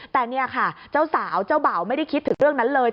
แต่เนี่ยค่ะเจ้าสาวเจ้าบ่าวไม่ได้คิดถึงเรื่องนั้นเลย